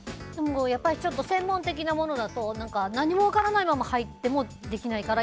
やっぱりちょっと専門的なものだと何も分からないまま入ってもできないから